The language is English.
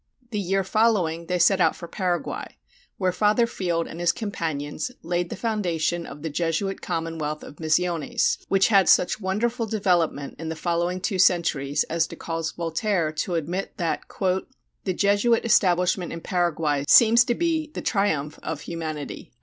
The year following they set out for Paraguay, where Father Field and his companions laid the foundation of the Jesuit commonwealth of Misiones, which had such wonderful development in the following two centuries as to cause Voltaire to admit that "the Jesuit establishment in Paraguay seems to be the triumph of humanity."